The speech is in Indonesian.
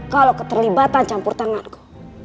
kalau keterlibatan campur tanganku